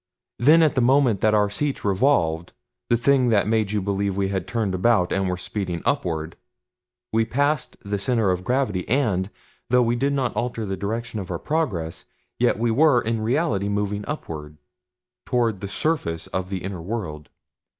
Then at the moment that our seats revolved the thing that made you believe that we had turned about and were speeding upward we passed the center of gravity and, though we did not alter the direction of our progress, yet we were in reality moving upward toward the surface of the inner world.